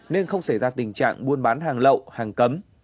nên không xảy ra tình trạng buôn bán hàng lậu hàng cấm